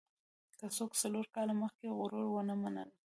که څوک څلور کاله مخکې غړي وو منل کېږي.